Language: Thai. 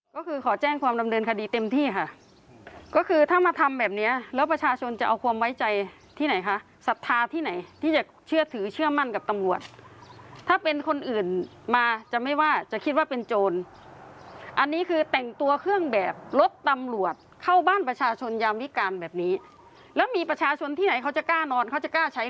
ทุกคนมาทำไมยามวิการเอาเรื่องเต็มที่ค่ะ